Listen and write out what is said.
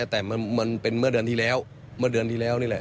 แต่เป็นเมื่อเดือนที่แล้ว